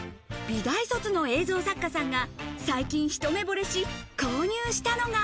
美大卒の映像作家さんが最近一目ぼれし、購入したのが。